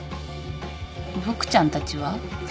ボクちゃんたちは？